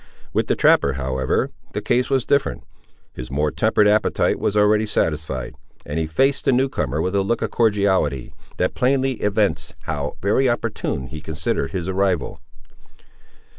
With the trapper, however, the case was different. His more tempered appetite was already satisfied, and he faced the new comer with a look of cordiality, that plainly evinced how very opportune he considered his arrival.